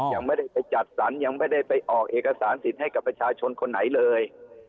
ยังไม่ได้ไปจัดสรรยังไม่ได้ไปออกเอกสารสิทธิ์ให้กับประชาชนคนไหนเลย